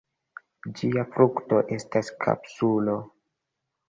Ĝia frukto estas kapsulo.